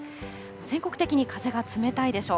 全国的に風が冷たいでしょう。